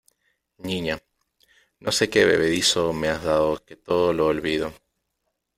niña , no sé qué bebedizo me has dado que todo lo olvido ...